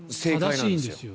正しいんですよ。